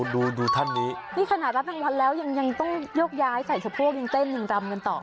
ดูท่านนี้นี่ขนาดรับรางวัลแล้วยังต้องยกย้ายใส่สะโพกยังเต้นยังรำกันต่อ